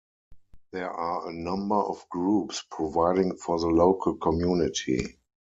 There are a number of groups providing for the local community.